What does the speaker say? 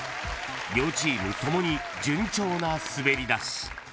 ［両チームともに順調な滑り出し］